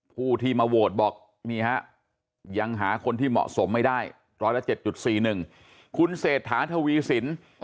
ผู้ที่มาโหวตบอกนี่ฮะยังหาคนที่เหมาะสมไม่ได้